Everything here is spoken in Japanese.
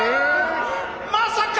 まさか！